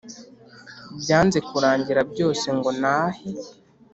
Byanze kurangira byose ngo nahe